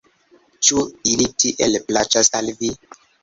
Ĉu ili tiel plaĉas al vi?